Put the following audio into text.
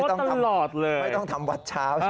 โพสต์ตลอดเลยไม่ต้องทำวัดเช้า